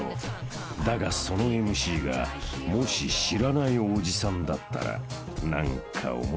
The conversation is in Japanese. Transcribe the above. ［だがそのＭＣがもし知らないオジさんだったら何かオモシロい？］